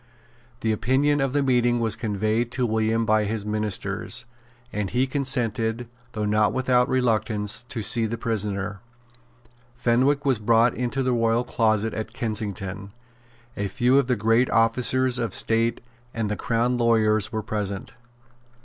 The opinion of the meeting was conveyed to William by his ministers; and he consented, though not without reluctance, to see the prisoner. Fenwick was brought into the royal closet at Kensington. A few of the great officers of state and the Crown lawyers were present.